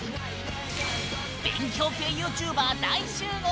勉強系ＹｏｕＴｕｂｅｒ大集合